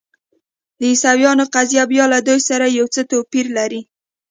د عیسویانو قضیه بیا له دوی سره یو څه توپیر لري.